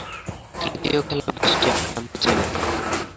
তৃতীয় খেলা বৃষ্টি আক্রান্ত ছিল।